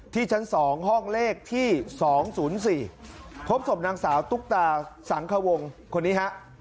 ชั้น๒ห้องเลขที่๒๐๔พบศพนางสาวตุ๊กตาสังควงคนนี้ฮะ